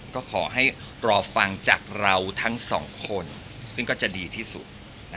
ก็ขอให้รอฟังจากเราทั้งสองคนซึ่งก็จะดีที่สุด